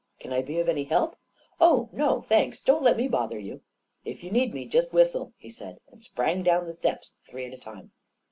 " Can I be of any help?" " Oh, no, thanks. Don't let me bother you." "If you need me, just whistle," he said, and sprang down the steps three at a time.